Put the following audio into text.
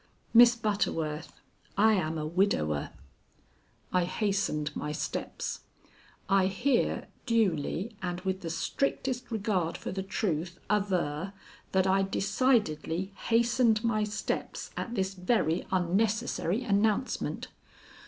"Miss Butterworth, I am a widower." I hastened my steps. I here duly and with the strictest regard for the truth aver, that I decidedly hastened my steps at this very unnecessary announcement.